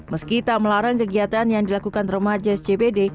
meski tak melarang kegiatan yang dilakukan rumah jsjbd